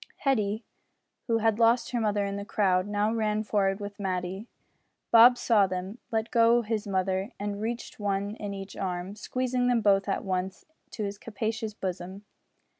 Hetty, who had lost her mother in the crowd, now ran forward with Matty. Bob saw them, let go his mother, and received one in each arm squeezing them both at once to his capacious bosom.